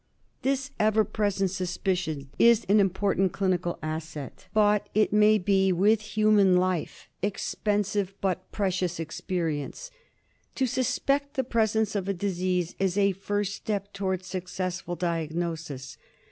This ever present suspicion is an important clinical asset ; bought, it may be, with human life ; expensive but precious experience. To suspect the presence of a disease is a first step to wards successful diagnosis.